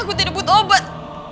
aku tidak butuh obat